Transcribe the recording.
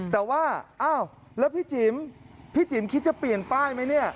แต่ว่าอ้าวแล้วพี่จิ๋มพี่จิ๋มคิดจะเปลี่ยนป้ายไหมเนี่ย